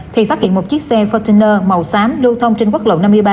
thì phát hiện một chiếc xe container màu xám lưu thông trên quốc lộ năm mươi ba